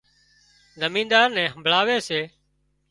زمينۮار نين همڀۯاوي سي